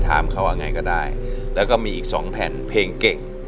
ถามเขาว่าไงก็ได้แล้วก็มีอีกสองแผ่นเพลงเก่ง